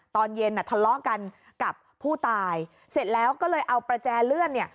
ตอนเย็นน่ะทะเลาะกันกับผู้ตายเสร็จแล้วก็เลยเอาประแจเลื่อนเนี่ย